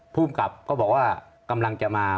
ผู้มกับก็บอกว่า